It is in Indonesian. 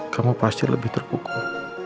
kamu pasti lebih terpukul